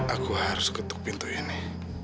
aku harus ketuk pintu ini